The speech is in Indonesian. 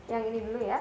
yang ini dulu ya